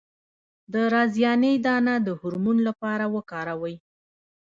د رازیانې دانه د هورمون لپاره وکاروئ